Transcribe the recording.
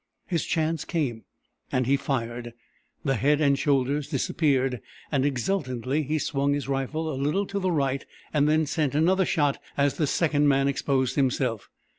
His chance came, and he fired. The head and shoulders disappeared, and exultantly he swung his rifle a little to the right and sent another shot as the second man exposed himself.